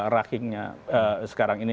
rakhineya sekarang ini